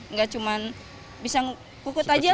nggak cuman bisa ngekukut aja lah